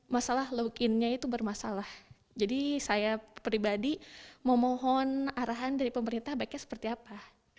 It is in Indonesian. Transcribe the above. masalah login nya itu bermasalah jadi saya pribadi memohon arahan dari pemerintah baiknya seperti apa